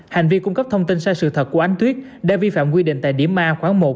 hành vi cung cấp thông tin sai sự thật của ánh tuyết đã vi phạm quy định tại điểm a khoảng một